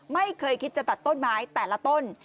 ไม่เคยคิดจะตัดต้นไม้แต่ละต้น